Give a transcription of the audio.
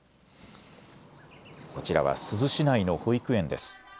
こちらは珠洲市内の保育園です。